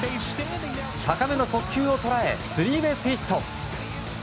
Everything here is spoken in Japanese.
高めの速球を捉えスリーベースヒット。